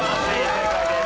正解です。